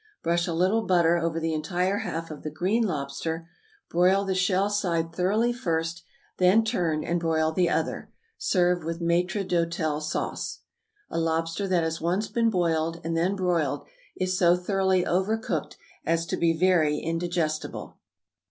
Brush a little butter over the entire half of the green lobster; broil the shell side thoroughly first, then turn, and broil the other. Serve with maitre d'hôtel sauce. A lobster that has once been boiled and then broiled is so thoroughly over cooked as to be very indigestible.